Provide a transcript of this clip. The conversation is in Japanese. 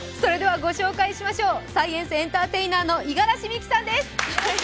ご紹介しましょうサイエンスエンターテイナーの五十嵐美樹さんです。